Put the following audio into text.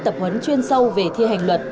tập huấn chuyên sâu về thi hành luật